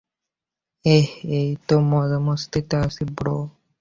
এহ, এইতো মজা-মাস্তিতে আছি ব্রো।